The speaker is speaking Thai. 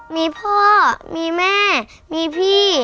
มีพ่อมีแม่มีพี่